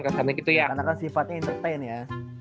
karena sifatnya entertain ya